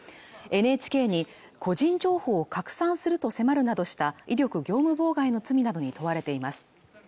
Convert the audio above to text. ＮＨＫに個人情報を拡散すると迫るなどした威力業務妨害の罪などに問われています